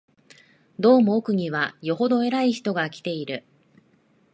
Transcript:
どうも奥には、よほど偉い人が来ている